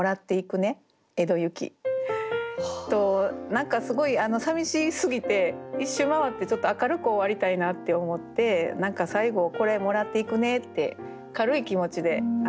何かすごいさみしすぎて一周回ってちょっと明るく終わりたいなって思って何か最後「これ、もらっていくね」って軽い気持ちでうたってみました。